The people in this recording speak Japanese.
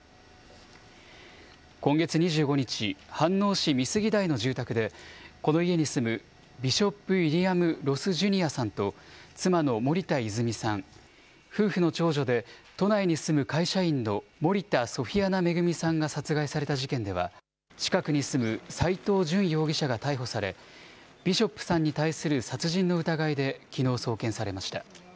今月２５日、飯能市美杉台の住宅で、この家に住むビショップ・ウィリアム・ロス・ジュニアさんと、妻の森田泉さん、夫婦の長女で都内に住む会社員の森田ソフィアナ恵さんが殺害された事件では、近くに住む斎藤淳容疑者が逮捕され、ビショップさんに対する殺人の疑いできのう、送検されました。